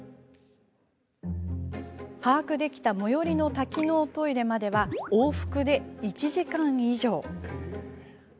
把握できた最寄りの多機能トイレまでは往復で１時間以上。